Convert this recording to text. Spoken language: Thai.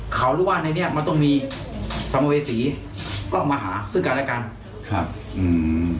เขาหรือว่าในเนี้ยมันต้องมีสัมภเวษีก็มาหาซึ่งกันและกันครับอืม